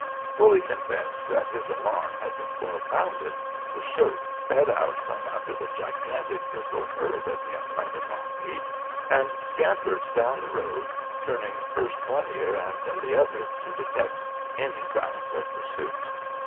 Fully convinced that his alarm had been well founded, the shote sped out from under the gigantic missile hurled at him by the donkey, and scampered down the road, turning first one ear and then the other to detect any sounds of pursuit.